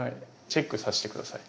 チェックさせて下さい。